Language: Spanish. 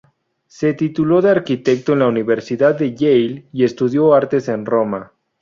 Se tituló de arquitecto en la Universidad de Yale y estudió artes en Roma.